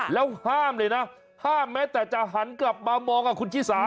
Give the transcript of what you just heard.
แล้วห้ามเลยนะห้ามแม้แต่จะหันกลับมามองคุณชิสา